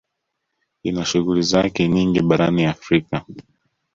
Ina shughuli zake nyingi barani Afrika